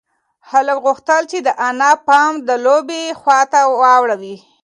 هلک غوښتل چې د انا پام د لوبې خواته واړوي.